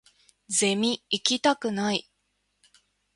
ゼミ行きたくない